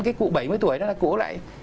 cái cụ bảy mươi tuổi đó là cụ lại